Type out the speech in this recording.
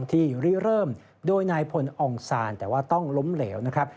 ที่ริเริ่มโดยนายพลองซานแต่ว่าต้องล้มเหลวนะครับ